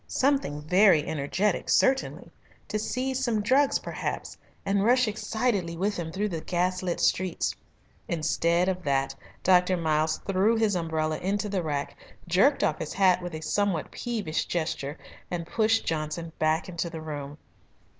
Something very energetic, certainly to seize some drugs, perhaps, and rush excitedly with him through the gaslit streets. Instead of that Dr. Miles threw his umbrella into the rack, jerked off his hat with a somewhat peevish gesture, and pushed Johnson back into the room.